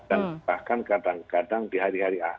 dan bahkan kadang kadang di hari hari akhir